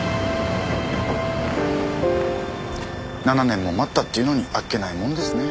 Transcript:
７年も待ったっていうのにあっけないもんですね。